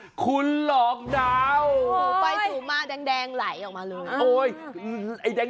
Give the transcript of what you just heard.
หินไข่ดาวถ้าอยากเห็นไข่แดง